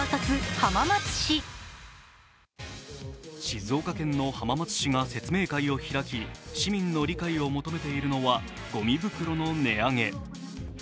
静岡県の浜松市が説明会を開き市民の理解を求めているのはごみ袋の値上げ。